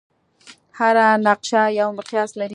هره نقشه یو مقیاس لري.